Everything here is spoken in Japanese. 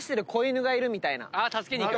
助けに行く。